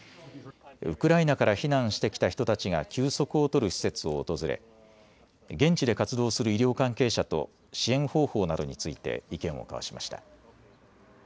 ウクライナから避難してきた人たちが休息を取る施設を訪れ現地で活動する医療関係者と支援方法などについて意見を交わしました。